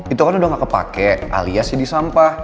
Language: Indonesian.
itu kan udah gak kepake alias jadi sampah